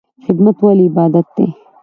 خدمت ولې عبادت دی؟